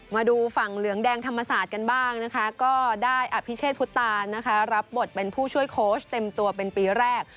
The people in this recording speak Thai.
มาดูฝั่งเหลืองแดงธรรมศาสตร์กันบ้างนะคะก็ได้อภิเชษพุทธตานนะคะรับบทเป็นผู้ช่วยโค้ชเต็มตัวเป็นปีแรก